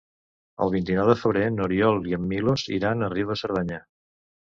El vint-i-nou de febrer n'Oriol i en Milos iran a Riu de Cerdanya.